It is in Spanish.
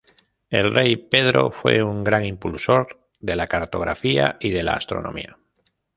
El rey Pedro fue un gran impulsor de la cartografía y de la astronomía.